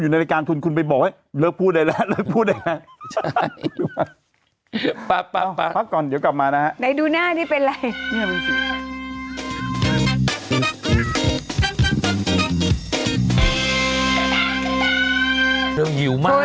ในดรูหน้านี่มันเป็นอะไร